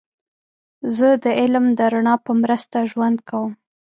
زه د علم د رڼا په مرسته ژوند کوم.